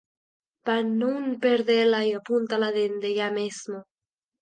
Pa nun perdela y apuntala dende yá mesmo.